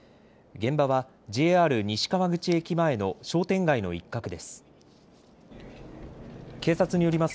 現場はＪＲ西川口駅前の商店街の一角です。